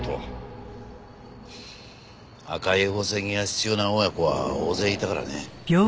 赤い宝石が必要な親子は大勢いたからね。